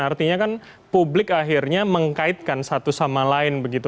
artinya kan publik akhirnya mengkaitkan satu sama lain begitu